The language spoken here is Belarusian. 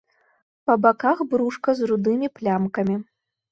Па баках брушка з рудымі плямкамі.